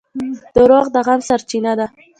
• دروغ د غم سرچینه ده.